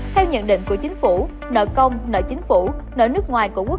theo nhận định của chính phủ nợ công nợ chính phủ nợ nước ngoài của quốc